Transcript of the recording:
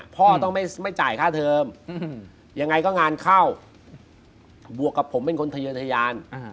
พ่อต้องไม่จ่ายค่าเทอมยังไงก็งานเข้าบวกกับผมเป็นคนทะเยินทะยาน